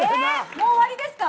もう終わりですか？